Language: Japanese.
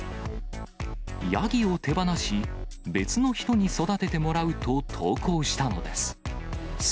ヤギを手放し、別の人に育ててもらうと投稿したのです。